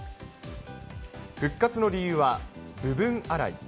復活の理由は、部分洗い。